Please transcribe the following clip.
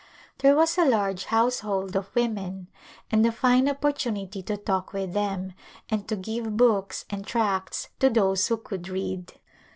There was a large household of women and a fine opportunity to talk with them and to give books and tracts to those who could read.